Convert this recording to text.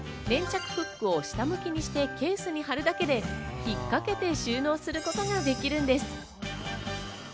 粘着フックを下向きにしてケースに貼るだけで、引っかけて収納することができるんです。